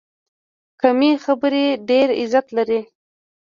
کمې خبرې، ډېر عزت لري.